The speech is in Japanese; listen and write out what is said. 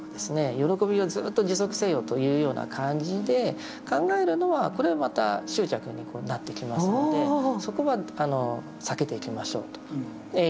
喜びをずっと持続せよというような感じで考えるのはこれはまた執着になってきますのでそこは避けていきましょうという感じですね。